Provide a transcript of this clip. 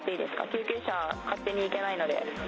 救急車、勝手に行けないので。